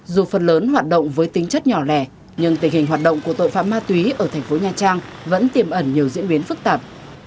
dù phần lớn hoạt động với tính chất nhỏ lẻ nhưng tình hình hoạt động của tội phạm ma túy ở thành phố nha trang vẫn tiềm ẩn nhiều diễn biến phức tạp